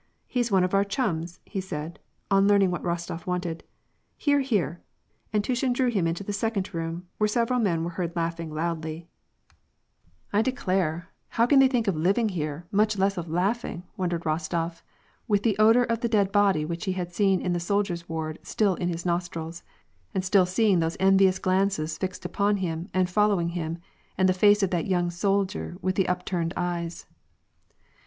He's one of our chums !" he said, on learning whom Rostof wanted. " Here, here," and Tushin drew him into the second room, where sev eral men were heard laughing loudly. WAR AND PEACE. 139 ^' I declare ! how can they think of living here, much less of laughing ?" wondered Kostof, with the odor of the dead body which he had seen in the soldiers' ward still in his nostrils, and still seeing those envious glances fixed upon him and fol lowing him, and the face of that young soldier with the up turned eyes.